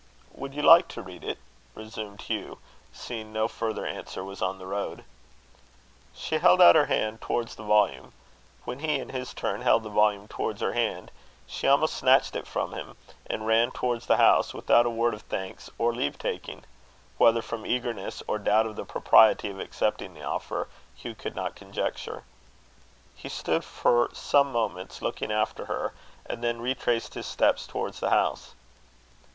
"Would you like to read it?" resumed Hugh, seeing no further answer was on the road. She held out her hand towards the volume. When he, in his turn, held the volume towards her hand, she almost snatched it from him, and ran towards the house, without a word of thanks or leave taking whether from eagerness, or doubt of the propriety of accepting the offer, Hugh could not conjecture. He stood for some moments looking after her, and then retraced his steps towards the house.